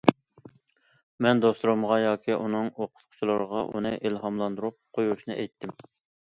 مەن دوستلىرىمغا ياكى ئۇنىڭ ئوقۇتقۇچىلىرىغا ئۇنى ئىلھاملاندۇرۇپ قويۇشنى ئېيتتىم.